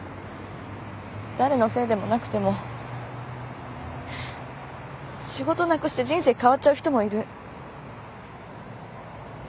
誰のせいでもなくても仕事なくして人生変わっちゃう人もいる。